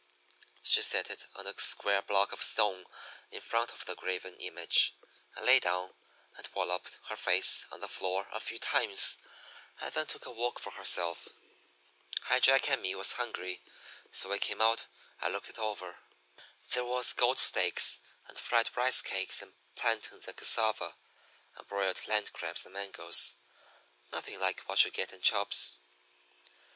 She set it on a square block of stone in front of the graven image, and laid down and walloped her face on the floor a few times, and then took a walk for herself. "High Jack and me was hungry, so we came out and looked it over. There was goat steaks and fried rice cakes, and plantains and cassava, and broiled land crabs and mangoes nothing like what you get at Chubb's.